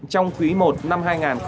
trong quý i năm hai nghìn hai mươi hai